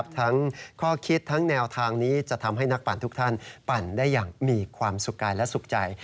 ทั้งข้อคิดทั้งแนวทางนี้จะทำให้นักปั่นทุกท่านปั่นได้อย่างมีความสุขกายและสุขใจ